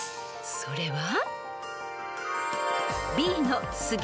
［それは］